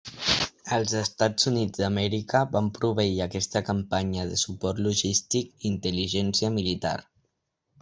Els Estats Units d'Amèrica van proveir aquesta campanya de suport logístic i intel·ligència militar.